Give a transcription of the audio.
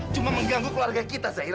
cuma mengganggu keluarga kita zagira